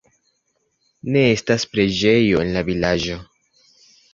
Ne estas preĝejo en la vilaĝo.